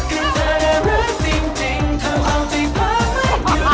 คือเธอน่ารักจริงจริงเธอเอาใจเผาใหม่อยู่